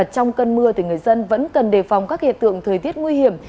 cần đề phòng các hiện tượng thời tiết nguy hiểm